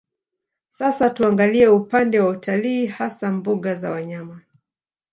Sasa tuangalie upande wa utalii hasa mbuga za wanyama